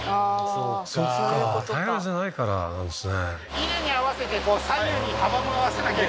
そっか平らじゃないからなんですね